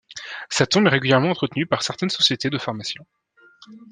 Sa tombe est régulièrement entretenue par certaines sociétés de pharmaciens.